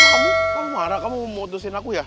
kamu marah kamu modusin aku ya